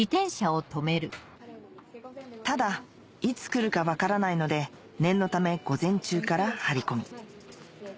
ただいつ来るか分からないので念のため午前中から張り込み